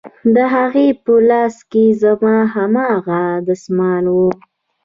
د هغې په لاس کښې زما هماغه دسمال و.